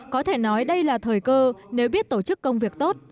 có thể nói đây là thời cơ nếu biết tổ chức công việc tốt